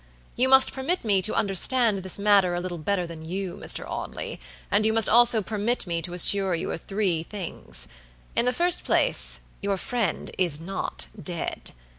You must permit me to understand this matter a little better than you, Mr. Audley, and you must also permit me to assure you of three things. In the first place, your friend is not dead.